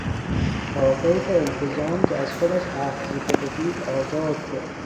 با قید التزام که از خودش اخذ شده بود آزاد شد.